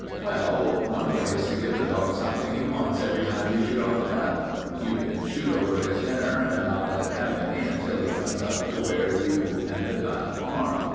"Well, one way is to give the dog something he wants every time you shoot off a gun. You can shoot over his dinner, and not let him have any till he comes up to where you and the gun are.